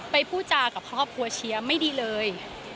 พูดจากับครอบครัวเชียร์ไม่ดีเลย